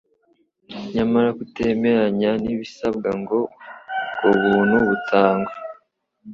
nyamara kutemeranya n'ibisabwa ngo ubwo buntu butangwe